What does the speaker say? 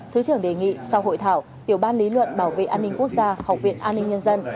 thứ trưởng đề nghị sau hội thảo tiểu ban lý luận bảo vệ an ninh quốc gia học viện an ninh nhân dân